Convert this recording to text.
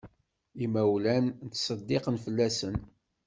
Imawlan, nettseddiq fell-asen.